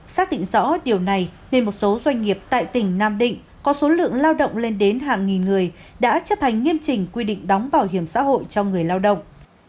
xác định rõ điều này nên một số doanh nghiệp tại tỉnh nam định có số lượng lao động lên đến hàng nghìn người đã chấp hành nghiêm trình quy định đóng bảo hiểm xã hội cho người lao động